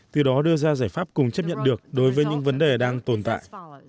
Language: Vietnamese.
từ đó đưa ra giải pháp cùng chấp nhận được đối với những vấn đề đang tồn tại